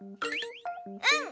うん！